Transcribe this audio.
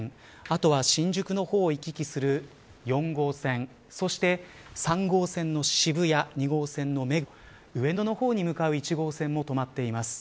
あとは新宿のほうを行き来する４号線そして３号線の渋谷２号線の目黒上野のほうに向かう１号線も止まっています。